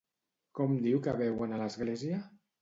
Com diu que veuen a l'església?